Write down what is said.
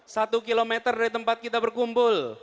satu kilometer dari tempat kita berkumpul